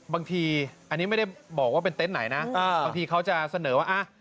บางทีอันนี้ไม่ได้บอกว่าเป็นเต็นต์ไหนนะบางทีเขาจะเสนอว่า